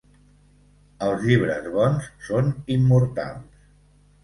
Els llibres bons són immortals.